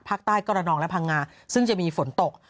ภาคใต้กอรนองและพังงาซึ่งจะมีฝนตก